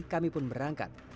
kami pun berangkat